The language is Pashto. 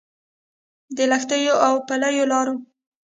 د لښتيو او پلیو لارو